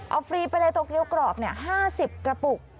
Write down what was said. เอาฟรีไปเลยตัวเกี้ยวกรอบ๕๐กระปุก